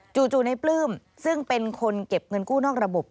จู่ในปลื้มซึ่งเป็นคนเก็บเงินกู้นอกระบบ